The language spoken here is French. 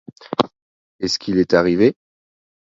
Est-ce qu'il est arrivé?